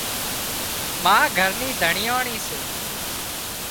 ما گھر نِي ڌڻيئاڻي سي